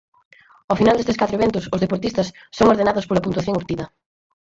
Ao final destes catro eventos os deportistas son ordenados pola puntuación obtida.